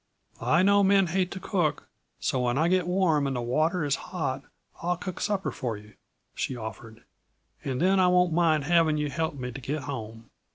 "I know men hate to cook, so when I get warm, and the water is hot, I'll cook supper for you," she offered. "And then I won't mind having you help me to get home."